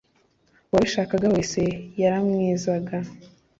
Uwabishakaga wese yaramwezaga